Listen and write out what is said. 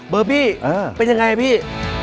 เบอร์พี่เป็นยังไงพี่